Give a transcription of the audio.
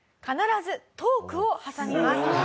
「必ずトークを挟みます」